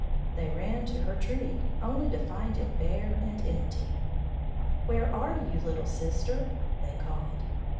They ran to her tree, only to find it bare and empty. "Where are you, little sister?" they called.